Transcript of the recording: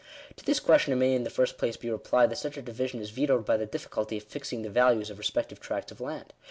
" To this question it may in the first place be replied, that such a division is vetoed by the difficulty of fixing the values of respective tracts of land.